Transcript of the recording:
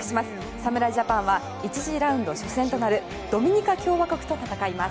侍ジャパンは１次ラウンド初戦となるドミニカ共和国と戦います。